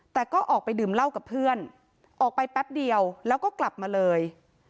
แต่ก็ออกไปดื่มเหล้ากับเพื่อนออกไปแป๊บเดียวแล้วก็กลับมาเลย